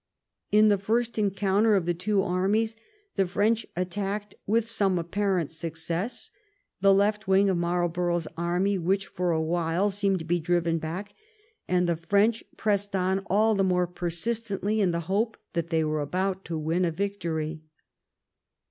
In the first encounter of the two armies the Erench attacked, with some apparent success, the left wing of Marlborough's army, which for a while seemed to be driven back, and the Erench pressed on all the more persistently in the hope that they were about to win a victory.